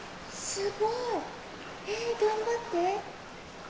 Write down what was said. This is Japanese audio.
すごい！えー頑張って！